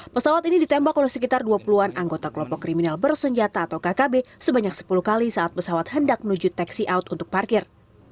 pesawat ini ditembak oleh sekitar dua puluh an anggota kelompok kriminal bersenjata atau kkb sebanyak sepuluh kali saat pesawat hendak menuju taxi out untuk parkir